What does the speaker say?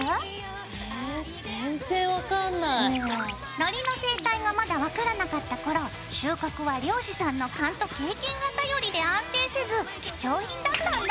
のりの生態がまだ分からなかった頃収穫は漁師さんの勘と経験が頼りで安定せず貴重品だったんだ！